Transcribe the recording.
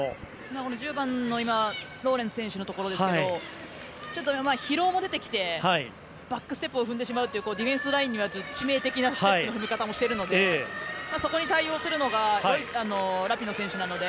１０番のローレンス選手のところですけどちょっと疲労も出てきてバックステップを踏んでしまうというディフェンス的には致命的なステップの踏み方もしているのでそこに対応するのがラピノ選手なので。